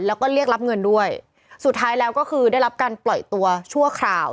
แล้วก็เรียกรับเงินด้วยสุดท้ายแล้วก็คือได้รับการปล่อยตัวชั่วคราว